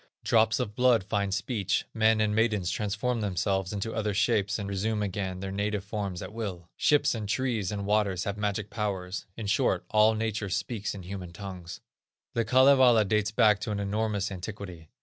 Drops of blood find speech; men and maidens transform themselves into other shapes and resume again their native forms at will; ships, and trees, and waters, have magic powers; in short, all nature speaks in human tongues. The Kalevala dates back to an enormous antiquity.